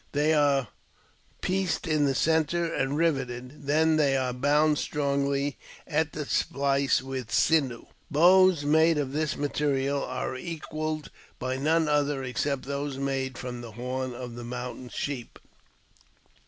They are pieced in the centre, and riveted ; then they are bound strongly at the splice with sinew. Bows made of this material are equalled by none other except those made from the horn of the mountain sheep.